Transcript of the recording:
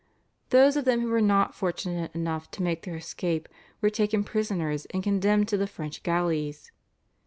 Those of them who were not fortunate enough to make their escape were taken prisoners and condemned to the French galleys.